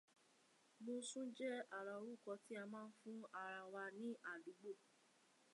Mosún jẹ́ ara orúkọ tí a máa ń fún ara wa ní àdúgbò